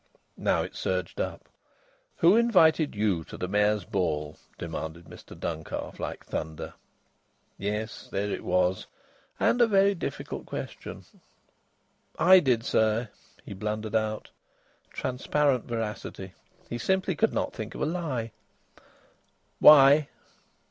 Now it surged up. "Who invited you to the Mayor's ball?" demanded Mr Duncalf like thunder. Yes, there it was! And a very difficult question. "I did, sir," he blundered out. Transparent veracity. He simply could not think of a lie. "Why?"